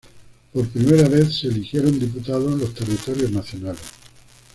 Por primera vez, se eligieron diputados en los Territorios Nacionales.